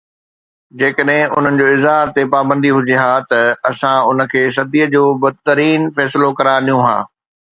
جيڪڏهن انهن جي اظهار تي پابندي هجي ها ته اسان ان کي صدي جو بدترين فيصلو قرار ڏيون ها